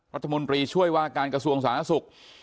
รัฐมนตรีช่วยว่าการกระทรวงสาธารณสุข